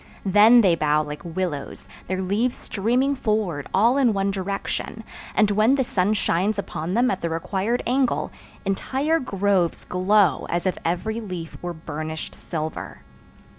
Then they bow like willows, their leaves streaming forward all in one direction, and, when the sun shines upon them at the required angle, entire groves glow as if every leaf were burnished silver.